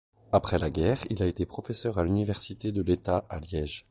Après la guerre, il a été professeur à l'Université de l'État à Liège.